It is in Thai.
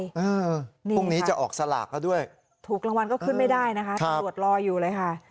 พรุ่งนี้จะออกสลากเขาด้วยถูกรางวัลก็ขึ้นไม่ได้นะคะตำรวจรออยู่เลยค่ะ